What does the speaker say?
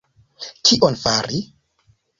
Kion fari!